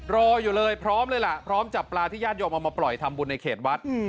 รออยู่เลยพร้อมเลยล่ะพร้อมจับปลาที่ญาติโยมเอามาปล่อยทำบุญในเขตวัด